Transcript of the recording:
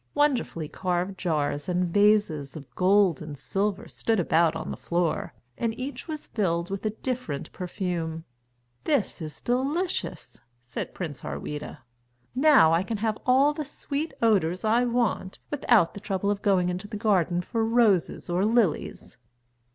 Wonderfully carved jars and vases of gold and silver stood about on the floor, and each was filled with a different perfume. "This is delicious," said Prince Harweda. "Now I can have all the sweet odours I want without the trouble of going into the garden for roses or lilies."